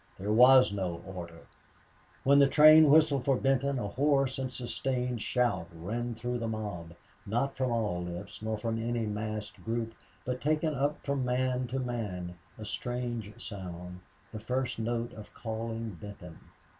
There was no order. When the train whistled for Benton a hoarse and sustained shout ran through the mob, not from all lips, nor from any massed group, but taken up from man to man a strange sound, the first note of calling Benton.